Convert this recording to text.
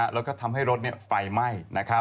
แล้วก็ทำให้รถไฟไหม้